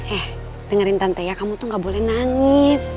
eh dengerin tante ya kamu tuh gak boleh nangis